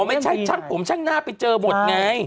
ไม่ใช่ของฉั่งหน้าไปเจอหมดไง